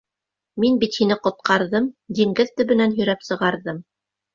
Мин бит һине ҡотҡарҙым, диңгеҙ төбөнән һөйрәп сығарҙым!